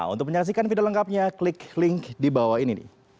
untuk menyaksikan video lengkapnya klik link di bawah ini